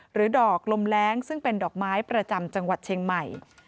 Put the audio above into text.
ดอกลมแรงซึ่งเป็นดอกไม้ประจำจังหวัดเชียงใหม่